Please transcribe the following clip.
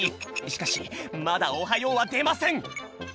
しかしまだ「おはよう」はでません。